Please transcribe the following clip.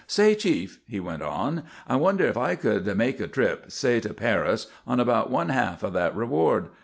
"Say, chief," he went on, "I wonder if I could make a trip, say to Paris, on about one half of that reward?